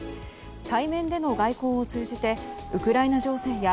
対面での外交を通じてウクライナ情勢や